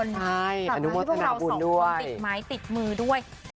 อนุโมทนาบุญด้วยตามนั้นให้พวกเราสองคนติดไม้ติดมือด้วย